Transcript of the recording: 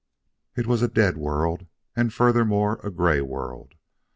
It was a dead world, and furthermore, a gray world.